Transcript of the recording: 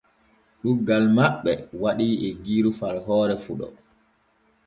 Ɗuuggal maɓɓe waɗii eggiiru far hoore fuɗo.